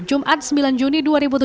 jumat sembilan juni dua ribu tujuh belas